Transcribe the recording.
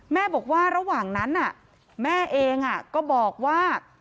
แม่บอกว่าระหว่างนั้นแม่เองก็บอกว่า